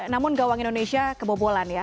namun gawang indonesia kebobosan